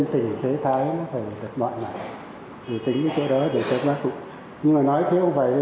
tình thế thái nó phải đặt mọi mặt để tính cái chỗ đó để các bác cụ nhưng mà nói thế không phải